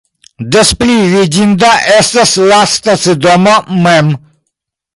Des pli vidinda estas la stacidomo mem.